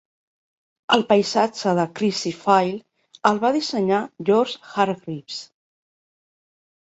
El paisatge de Crissy Field el va dissenyar George Hargreaves.